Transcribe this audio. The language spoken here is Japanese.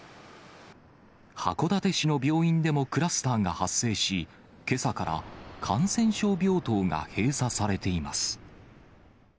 函館市の病院でもクラスターが発生し、けさから感染症病棟が閉鎖されています。